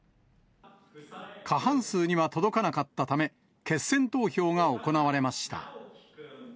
過半数には届かなかったため、決選投票が行われました。